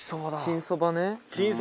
チンそば。